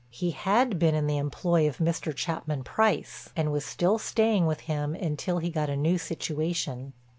He had been in the employ of Mr. Chapman Price and was still staying with him until he got a new "situation."